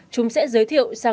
chúng sẽ giới thiệu sang ứng dụng